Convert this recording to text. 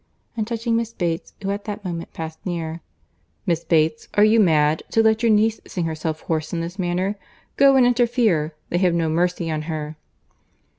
And touching Miss Bates, who at that moment passed near—"Miss Bates, are you mad, to let your niece sing herself hoarse in this manner? Go, and interfere. They have no mercy on her."